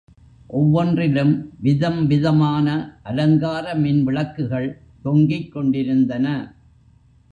ஒவ்வொன்றிலும் விதம்விதமான அலங்கார மின் விளக்குகள் தொங்கிக் கொண்டிருந்தன.